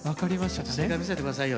正解見せて下さいよ